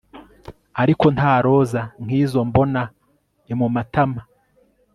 ariko nta roza nkizo mbona i mumatama